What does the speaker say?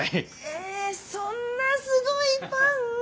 えそんなすごいパン！？